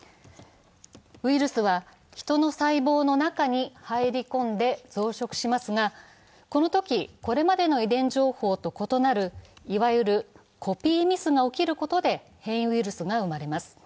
ウイルスはヒトの細胞の中に入り込んで増殖しますが、このとき、これまでの遺伝情報と異なる、いわゆるコピーミスが起きることで変異ウイルスが生まれます。